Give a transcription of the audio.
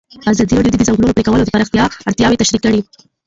ازادي راډیو د د ځنګلونو پرېکول د پراختیا اړتیاوې تشریح کړي.